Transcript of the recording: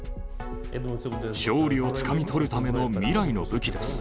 勝利をつかみ取るための未来の武器です。